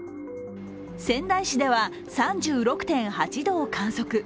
仙台市では３６．８度を観測。